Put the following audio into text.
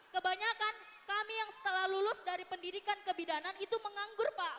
kebanyakan kami yang setelah lulus dari pendidikan kebidanan itu menganggur pak